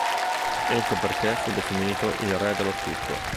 Ecco perché fu definito il re dello stucco”.